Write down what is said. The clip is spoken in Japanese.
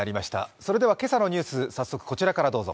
それでは今朝のニュース、早速こちらからどうぞ。